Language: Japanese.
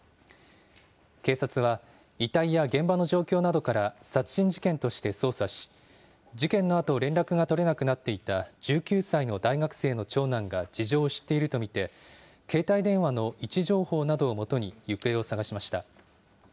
警察は、遺体や現場の状況などから殺人事件として捜査し、事件のあと、連絡が取れなくなっていた１９歳の大学生の長男が事情を知っていると見て、携帯電話の位置情報などをもとに行方を捜しました。